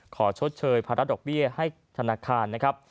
ชดเชยภาระดอกเบี้ยให้ธนาคารนะครับ